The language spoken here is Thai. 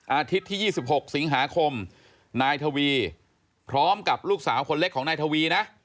อาทิตย์ที่๒๖สิงหาคมนายทวีพร้อมกับลูกสาวคนเล็กของนายทวีนะ